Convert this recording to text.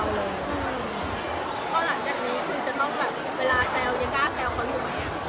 พ้อหลังจากนี้คือจะเจ้าอยากเก้าแต้วคนอยู่ไหม